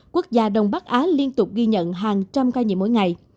quốc gia đông bắc á liên tục ghi nhận hàng trăm ca nhiễm mỗi ngày